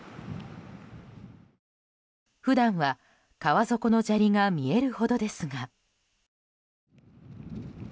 普段は、川底の砂利が見えるほどですが。